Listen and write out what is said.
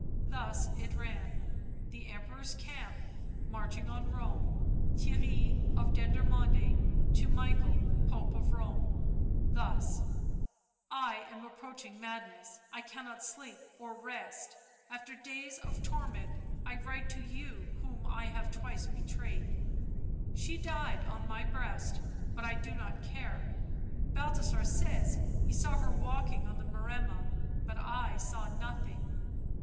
Thus it ran: "The Emperor's camp, marching on Rome, Theirry of Dendermonde to Michael, Pope of Rome, thus: " I am approaching madness, I cannot sleep or rest — after days of torment I write to you whom I have twice betrayed. She died on my breast, but I do not care ; Balthasar says he saw her walking on the Maremma, but I saw nothing